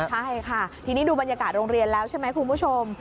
ใช่ค่ะทีนี้ดูบรรยากาศโรงเรียนแล้วใช่ไหมคุณผู้ชม